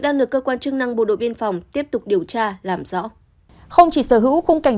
đang được cơ quan chức năng bộ đội biên phòng tiếp tục điều tra làm rõ không chỉ sở hữu khung cảnh